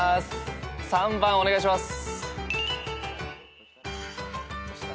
３番お願いします。